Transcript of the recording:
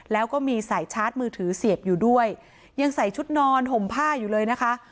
แล้วก็มีสายชาร์จมือถือเสียบอยู่ด้วยยังใส่ชุดนอนห่มผ้าอยู่เลยนะคะ